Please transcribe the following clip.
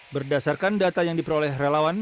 berdasarkan data yang diperoleh relawan